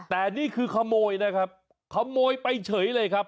แต่นี่คือขโมยนะครับขโมยไปเฉยเลยครับ